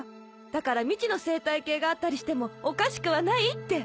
だから未知の生態系があったりしてもおかしくはないって！